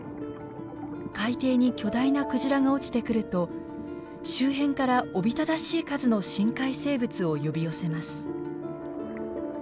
海底に巨大なクジラが落ちてくると周辺からおびただしい数の深海生物を呼び寄せます。